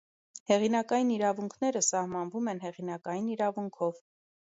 Հեղինակային իրավունքները սահմանվում են հեղինակային իրավունքով։